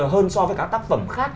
hơn so với các tác phẩm khác